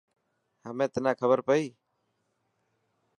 همي تنا کبر پئي.